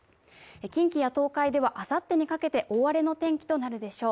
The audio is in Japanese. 近畿や東海ではあさってのかけて大荒れの天気となるでしょう。